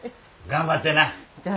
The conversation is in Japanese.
頑張って。